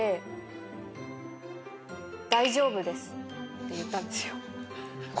って言ったんですよ。